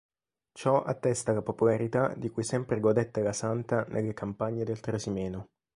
Ciò attesta la popolarità di cui sempre godette la santa nelle campagne del Trasimeno.